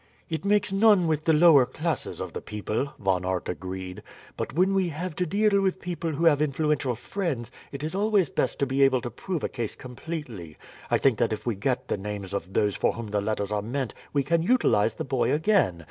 "It makes none with the lower class of the people," Von Aert agreed; "but when we have to deal with people who have influential friends it is always best to be able to prove a case completely. I think that if we get the names of those for whom the letters are meant we can utilize the boy again.